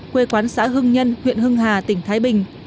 quê quán xã hưng nhân huyện hưng hà tỉnh thái bình